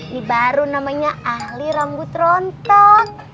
ini baru namanya ahli rambut rontok